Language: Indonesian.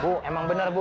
bu emang benar bu